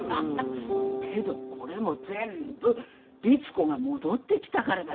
けどこれも全部律子が戻ってきたからだべ。